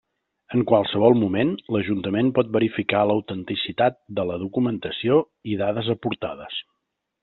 En qualsevol moment l'Ajuntament pot verificar l'autenticitat de la documentació i dades aportades.